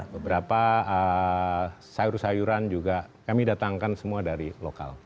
beberapa sayur sayuran juga kami datangkan semua dari lokal